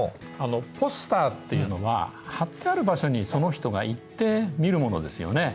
ポスターっていうのは貼ってある場所にその人が行って見るものですよね。